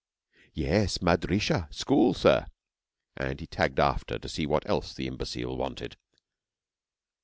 'Yes, Madrissah, school, sir,' and he tagged after to see what else the imbecile wanted.